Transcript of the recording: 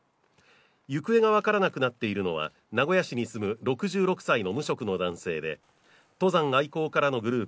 行方が分からなくなっているのは名古屋市に住む６６歳の無職の男性で登山愛好家らのグループ